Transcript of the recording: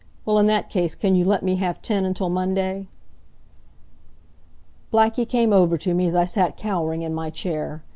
'Well, in that case can you let me have ten until Monday?'" Blackie came over to me as I sat cowering in my chair.